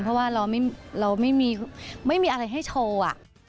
เพราะว่าเราไม่มีอะไรให้โชว์อะ